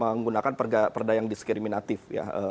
menggunakan perda yang diskriminatif ya